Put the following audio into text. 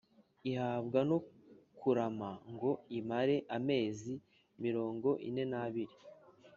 ihabwa no kurama ngo imare amezi mirongo ine n’abiri.